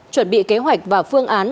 chuẩn bị kế hoạch và phương án